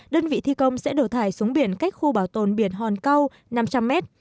đơn vị thi công sẽ đổ thải xuống biển cách khu bảo tồn biển hòn câu năm trăm linh mét